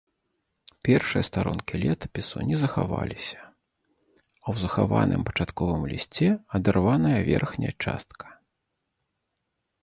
Першыя старонкі летапісу не захаваліся, а ў захаваным пачатковым лісце адарваная верхняя частка.